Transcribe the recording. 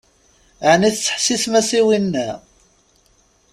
Ɛni tettḥessisem-as i winna?